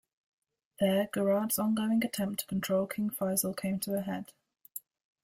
There, Gouraud's ongoing attempt to control King Faisal came to a head.